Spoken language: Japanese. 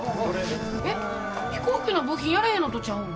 えっ飛行機の部品やらへんのとちゃうの？